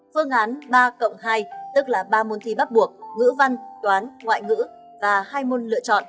phương án ba cộng hai tức là ba môn thi bắt buộc ngữ văn toán